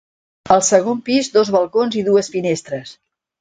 Al segon pis dos balcons i dues finestres.